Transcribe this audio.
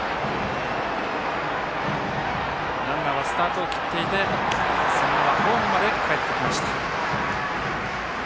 ランナーはスタートを切っていてそのままホームまでかえってきました。